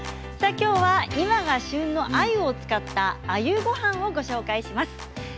きょうは今が旬の鮎を使った鮎ごはんをご紹介します。